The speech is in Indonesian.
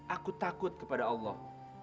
aku takut kepada allah